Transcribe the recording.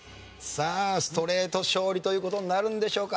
さあストレート勝利という事になるんでしょうか？